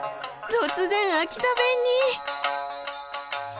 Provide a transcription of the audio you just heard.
突然秋田弁に！